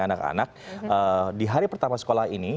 anak anak di hari pertama sekolah ini